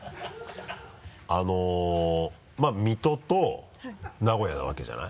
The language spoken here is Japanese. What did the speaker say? あのまぁ水戸と名古屋なわけじゃない。